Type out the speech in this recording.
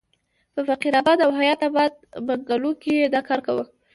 په فقیر اباد او حیات اباد بنګلو کې یې دا کار کاوه.